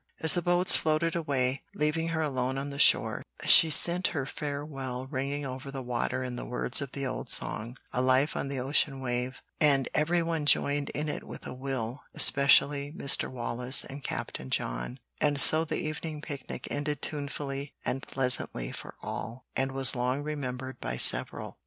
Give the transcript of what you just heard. As the boats floated away, leaving her alone on the shore, she sent her farewell ringing over the water in the words of the old song, "A Life on the Ocean Wave;" and every one joined in it with a will, especially Mr. Wallace and Captain John; and so the evening picnic ended tunefully and pleasantly for all, and was long remembered by several.